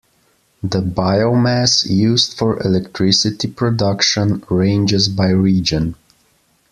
The biomass used for electricity production ranges by region.